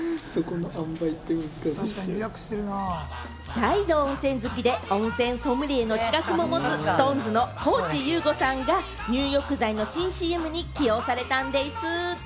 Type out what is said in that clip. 大の温泉好きで、温泉ソムリエの資格も持つ、ＳｉｘＴＯＮＥＳの高地優吾さんが入浴剤の新ＣＭに起用されたんでぃす。